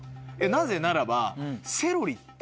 なぜならばセロリって。